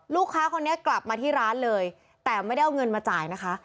ลูกค้าคนนี้กลับมาที่ร้านเลยแต่ไม่ได้เอาเงินมาจ่ายนะคะ